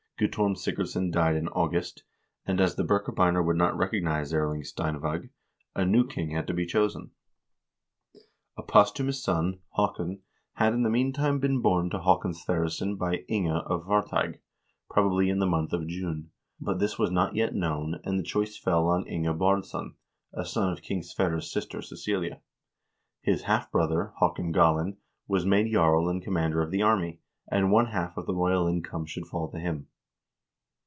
Guttorm Sigurdsson died in August, and, as the Birkebeiner would not recognize Erling Stein V«g, a new king had to be chosen. A posthumous son, Haakon, king sverre's IMMEDIATE SUCCESSORS 409 had in the meantime been born to Haakon Sverresson by Inga of Varteig, probably in the month of June, but this was not yet known, and the choice fell on Inge Baardsson, a son of King Sverre's sister Cecilia. His half brother, Haakon Galin, was made jarl and com mander of the army, and one half of the royal income should fall to him.